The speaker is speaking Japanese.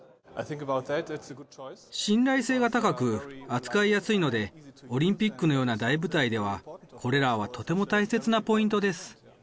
信頼性が高く、扱いやすいので、オリンピックのような大舞台では、、これらはとても大切なポイントです。